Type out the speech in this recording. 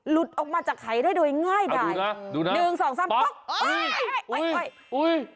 ลุดออกมาจากไห่ได้โดยง่ายดาย